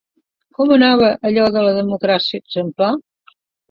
Com anava allò de la democràcia exemplar?